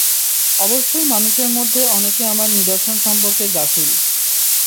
অবশ্যই মানুষের মধ্যে অনেকে আমার নিদর্শন সম্বন্ধে গাফিল।